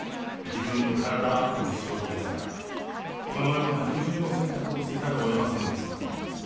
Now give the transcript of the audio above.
自分の体あっての仕事ですから、このような苦渋の選択をせざるをえませんでした。